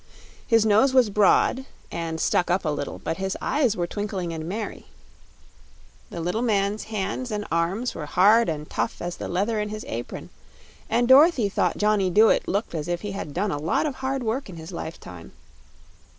His nose was broad, and stuck up a little; but his eyes were twinkling and merry. The little man's hands and arms were as hard and tough as the leather in his apron, and Dorothy thought Johnny Dooit looked as if he had done a lot of hard work in his lifetime.